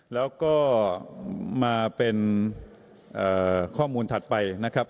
แล้วก็มาเป็นข้อมูลถัดไปนะครับ